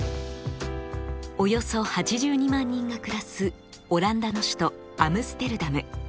およそ８２万人が暮らすオランダの首都アムステルダム。